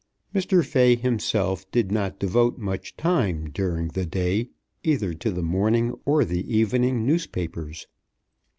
Mr. Fay himself did not devote much time during the day either to the morning or the evening newspapers.